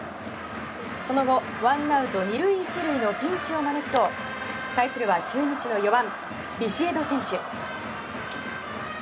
その後、ワンアウト２塁１塁のピンチを招くと対するは中日の４番ビシエド選手。